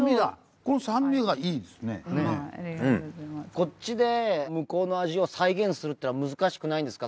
こっちで向こうの味を再現するっていうのは難しくないんですか？